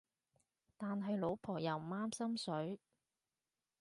但係老婆又唔啱心水